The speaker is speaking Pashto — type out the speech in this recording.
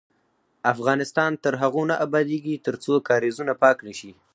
افغانستان تر هغو نه ابادیږي، ترڅو کاریزونه پاک نشي.